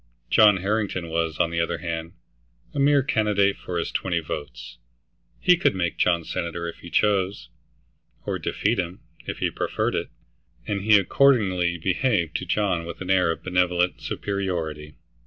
John Harrington was, on the other hand, a mere candidate for his twenty votes; he could make John senator if he chose, or defeat him, if he preferred it, and he accordingly behaved to John with an air of benevolent superiority.